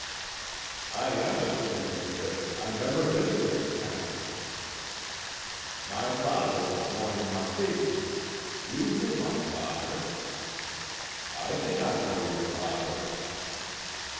"I am a stranger there; I never visited the town." "My father was born in Martigny. You knew my father." "I did not know your father."